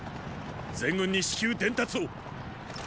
全軍に至急伝達を。！